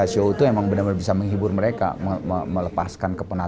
semua bekerja bersama dan inilah hasilnya